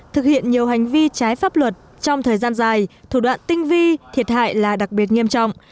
thực hiện nhiều hành vi trái pháp luật trong thời gian dài thủ đoạn tinh vi thiệt hại là đặc biệt nghiêm trọng